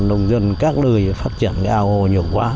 dần dần các nơi phát triển cái ao hồ nhiều quá